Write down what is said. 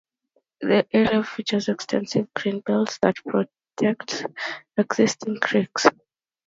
The area features extensive greenbelts that protect existing creeks.